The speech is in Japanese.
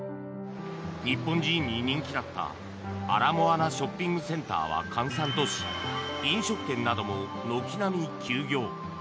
日本人に人気だった、アラモアナショッピングセンターは閑散とし飲食店なども軒並み休業。